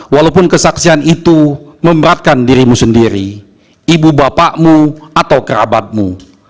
walaupun kesaksian itu memberatkan dirimu sendiri ibu bapakmu atau kerabatmu